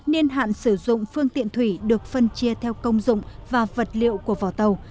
nhiên hạn sử dụng phương tiện thủy được phân chia theo công dụng và vật liệu của vò tàu